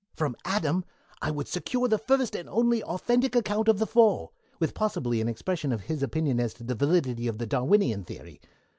"From Adam I would secure the first and only authentic account of the Fall, with possibly an expression of his opinion as to the validity of the Darwinian theory.